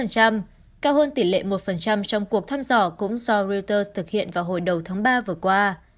cao hơn tỷ lệ một trong cuộc thăm dò cũng do reuters thực hiện vào hồi đầu tháng ba vừa qua